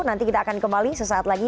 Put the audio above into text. nanti kita akan kembali sesaat lagi